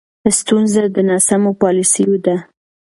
ستونزه د ناسمو پالیسیو ده.